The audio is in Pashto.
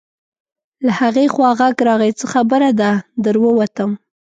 له هغې خوا غږ راغی: څه خبره ده، در ووتم.